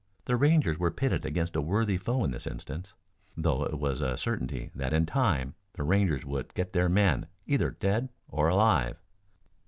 The Rangers were pitted against a worthy foe in this instance, though it was a certainty that in time the Rangers would get their men, either dead or alive.